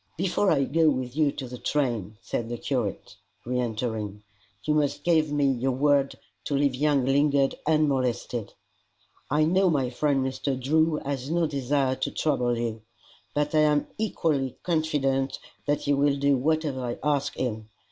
"Before I go with you to the train," said the curate, re entering, "you must give me your word to leave young Lingard unmolested. I know my friend Mr. Drew has no desire to trouble you, but I am equally confident that he will do whatever I ask him.